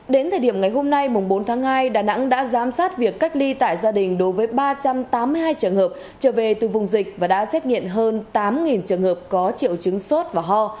đến thời điểm ngày hôm nay bốn tháng hai đà nẵng đã giám sát việc cách ly tại gia đình đối với ba trăm tám mươi hai trường hợp trở về từ vùng dịch và đã xét nghiệm hơn tám trường hợp có triệu chứng sốt và ho